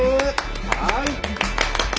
はい！